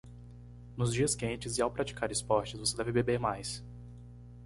Nos dias quentes e ao praticar esportes, você deve beber mais.